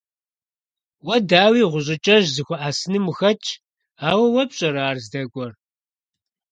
Уэ, дауи, гъущӀыкӀэжь зэхуэхьэсыным ухэтщ; ауэ уэ пщӀэрэ ар здэкӀуэр?